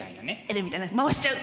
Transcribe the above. Ｌみたいな回しちゃう。